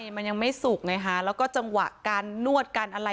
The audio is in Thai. มันยังไม่สุกไงฮะแล้วก็จังหวะการนวดการอะไร